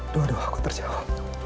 doa doa aku terjauh